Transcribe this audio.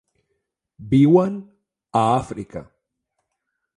Viuen a Àfrica.